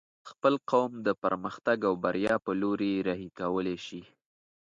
خپل قوم د پرمختګ او بريا په لوري رهي کولی شې